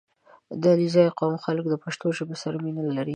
• د علیزي قوم خلک د پښتو ژبې سره مینه لري.